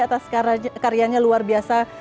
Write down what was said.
atas karyanya luar biasa